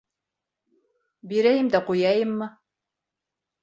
Бирәйем дә ҡуяйыммы?